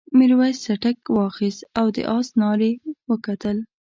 میرويس څټک واخیست او د آس نال یې وکتل.